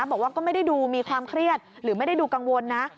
บอกว่าก็ไม่ได้ดูมีความเครียดหรือไม่ได้ดูกังวลนะ